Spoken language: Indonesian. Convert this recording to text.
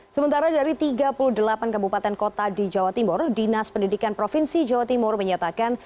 sementara dari tiga puluh delapan kabupaten kota di jawa timur dinas pendidikan provinsi jawa timur menyatakan